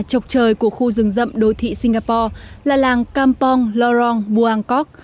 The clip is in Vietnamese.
chọc trời của khu rừng rậm đô thị singapore là làng kampong lorong buangkok